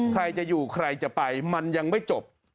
ใครจะอยู่ใครจะไปมันยังไม่จบ